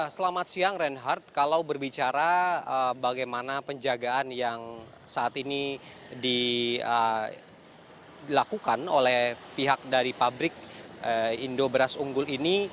selamat siang reinhardt kalau berbicara bagaimana penjagaan yang saat ini dilakukan oleh pihak dari pabrik indo beras unggul ini